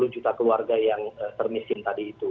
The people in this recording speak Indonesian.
satu juta keluarga yang termiskin tadi itu